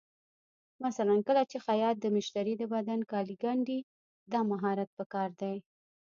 مثلا کله چې خیاط د مشتري د بدن کالي ګنډي، دا مهارت پکار دی.